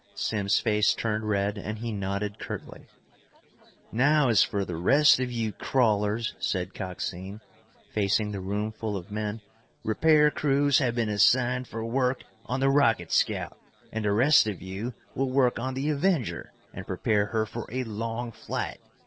Simms' face turned red, and he nodded curtly. "Now as for the rest of you crawlers," said Coxine, facing the room full of men. "Repair crews have been assigned for work on the rocket scout and the rest of you will work on the Avenger and prepare her for a long flight.